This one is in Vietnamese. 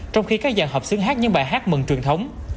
trong khi các dàn họp xứng hát những bài hát mừng truyền thống